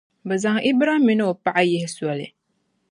bɛ zaŋ Ibram min’ o paɣa yihi soli.